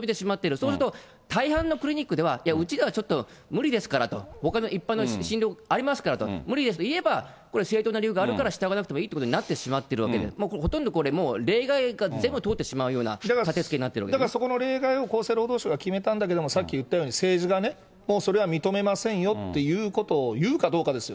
そうすると大半のクリニックでは、いや、うちではちょっと無理ですからと、ほかの一般の診療ありますから無理ですといえば、これ正当な理由があるから、従わなくてもいいということになってしまってるわけで、ほとんどこれ、例外が全部通ってしまうようなたてつけになっそこの例外を厚生労働省が決めたんだけども、さっき言ったように、政治がね、もうそれは認めませんよということを言うかどうかですよ。